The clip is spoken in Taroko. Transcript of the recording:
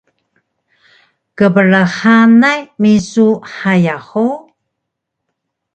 kbrxanay misu haya hug?